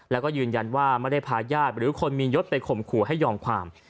แล้วก็ยืนยันว่าไม่ได้พาญาติหรือคนมียศไปข่มขู่ให้ยอมความ